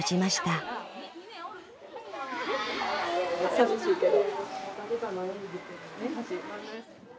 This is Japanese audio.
寂しいけど。